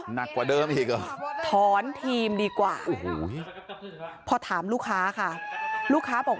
หนักกว่าเดิมอีกเหรอ